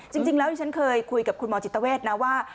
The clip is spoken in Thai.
จริงแล้วที่ฉันเคยคุยกับคุณหมอจิตเวทนะว่า